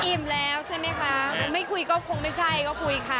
อิ่มแล้วใช่ไหมคะไม่คุยก็คงไม่ใช่ก็คุยค่ะ